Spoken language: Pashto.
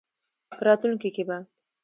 په راتلونکې کې به